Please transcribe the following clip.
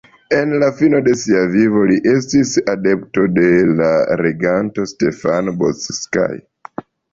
En la fino de sia vivo li estis adepto de la reganto Stefano Bocskai.